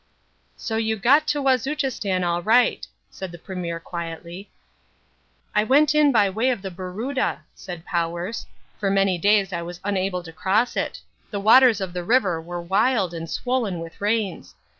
"So you got to Wazuchistan all right," said the Premier quietly. "I went in by way of the Barooda," said Powers. "For many days I was unable to cross it. The waters of the river were wild and swollen with rains.